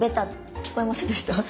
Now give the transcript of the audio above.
聞こえませんでした？